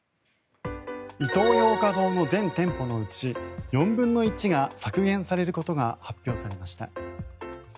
イトーヨーカ堂の全店舗のうち４分の１が削減されることが発表されました。